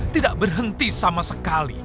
tidak berhenti sama sekali